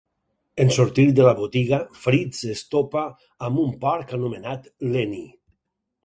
En sortir de la botiga, Fritz es topa amb un porc anomenat Lenny.